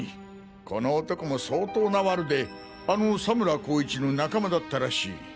この男も相当なワルであの佐村功一の仲間だったらしい。